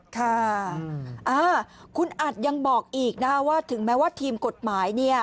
ค่ะคุณอัดยังบอกอีกนะคะว่าถึงแม้ว่าทีมกฎหมายเนี่ย